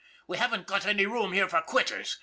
We haven't got any room here for quitters.